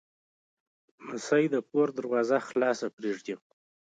لمسی د کور دروازه خلاصه پرېږدي.